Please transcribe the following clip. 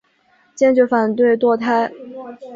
坚决反对堕胎。